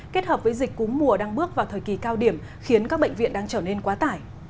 kết hợp với dịch cúm mùa đang bước vào thời kỳ cao điểm khiến các bệnh viện đang trở nên quá tải